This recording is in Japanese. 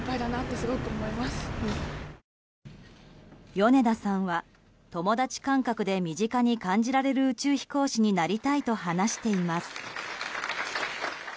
米田さんは友達感覚で身近に感じられる宇宙飛行士になりたいと話しています。